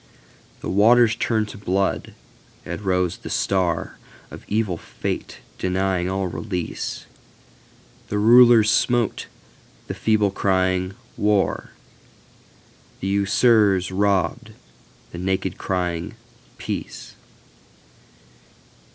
The waters turned to blood, as rose the StarOf evil Fate denying all release. The rulers smote, the feeble crying "War!"The usurers robbed, the naked crying "Peace!"